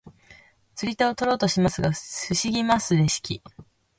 釣り手を取ろうとしますが防ぎますレシキ。